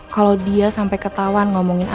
kalau dia sampai ketauan ngomongin andin